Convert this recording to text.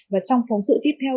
và trong phóng sự tiếp theo